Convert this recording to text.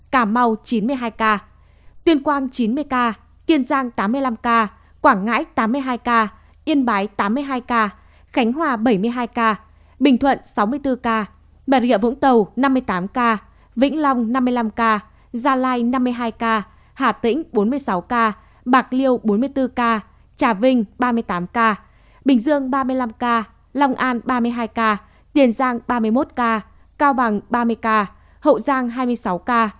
cà mau chín mươi hai ca tuyên quang chín mươi ca kiên giang tám mươi năm ca quảng ngãi tám mươi hai ca yên bái tám mươi hai ca khánh hòa bảy mươi hai ca bình thuận sáu mươi bốn ca bà rịa vũng tàu năm mươi tám ca vĩnh long năm mươi năm ca gia lai năm mươi hai ca hà tĩnh bốn mươi sáu ca bạc liêu bốn mươi bốn ca trà vinh ba mươi tám ca bình dương ba mươi năm ca lòng an ba mươi hai ca tiền giang ba mươi một ca cao bằng ba mươi ca hậu giang hai mươi sáu ca